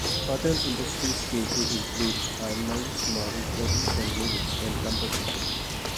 Other industries came to include iron mines, marble quarries and mills, and lumber companies.